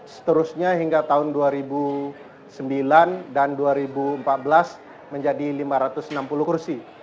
seterusnya hingga tahun dua ribu sembilan dan dua ribu empat belas menjadi lima ratus enam puluh kursi